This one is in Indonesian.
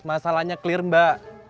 masalahnya clear mbak